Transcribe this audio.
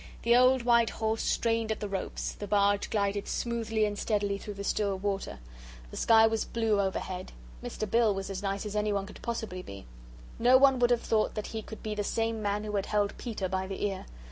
The old white horse strained at the ropes, the barge glided smoothly and steadily through the still water. The sky was blue overhead. Mr. Bill was as nice as anyone could possibly be. No one would have thought that he could be the same man who had held Peter by the ear.